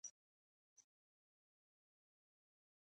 وسله د ټپونو نوې بڼه ده